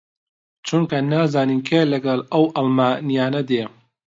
چونکە نازانین کێ لەگەڵ ئەو ئاڵمانییانە دێ